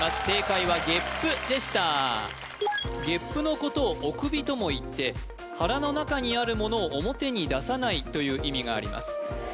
正解はげっぷでしたげっぷのことを「おくび」ともいって腹の中にあるものを表に出さないという意味があります